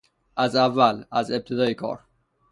از اول، از ابتدای کار